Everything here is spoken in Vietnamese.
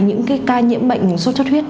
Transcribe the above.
những ca nhiễm bệnh xuất huyết